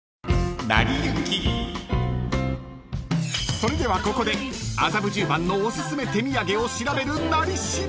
［それではここで麻布十番のおすすめ手土産を調べる「なり調」］